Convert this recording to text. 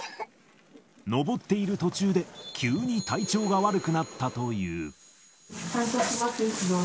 登っている途中で急に体調が悪くなったという。